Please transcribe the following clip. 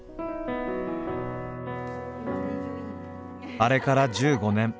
あれから１５年。